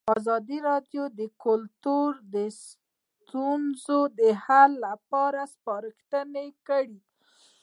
ازادي راډیو د کلتور د ستونزو حل لارې سپارښتنې کړي.